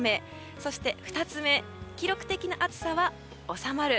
そして２つ目記録的な暑さは収まる。